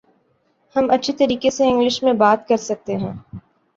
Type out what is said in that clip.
ہم اچھے طریقے سے انگلش میں بات کر سکتے ہیں